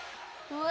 うわ！